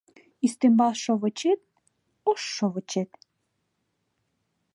Ӱстембал шовычет — ош шовычет